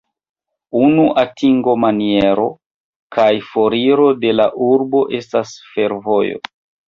Unu atingo-maniero kaj foriro de la urbo estas fervojo.